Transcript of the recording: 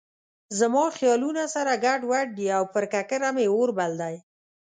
زما خیالونه سره ګډ وډ دي او پر ککره مې اور بل دی.